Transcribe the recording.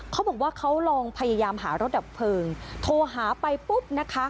เขาบอกว่าเขาลองพยายามหารถดับเพลิงโทรหาไปปุ๊บนะคะ